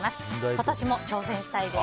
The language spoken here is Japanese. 今年も挑戦したいです。